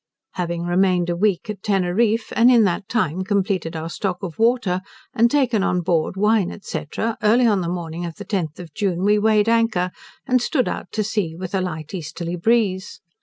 Having remained a week at Teneriffe, and in that time completed our stock of water, and taken on board wine, &c. early on the morning of the 10th of June we weighed anchor, and stood out to sea with a light easterly breeze.